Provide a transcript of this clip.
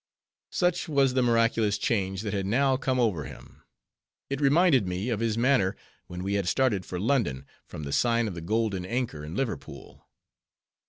Such was the miraculous change, that had now come over him. It reminded me of his manner, when we had started for London, from the sign of the Golden Anchor, in Liverpool.